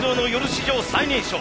史上最年少。